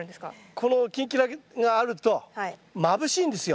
このキンキラがあるとまぶしいんですよ。